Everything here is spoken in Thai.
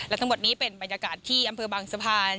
และทั้งหมดนี้เป็นบรรยากาศที่อำเภอบางสะพาน